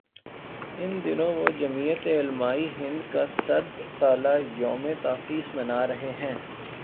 ان دنوں وہ جمعیت علمائے ہندکا صد سالہ یوم تاسیس منا رہے ہیں۔